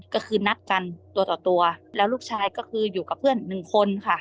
ก็คือนัดกันตัวต่อตัวแล้วลูกชายก็คืออยู่กับเพื่อนหนึ่งคนค่ะ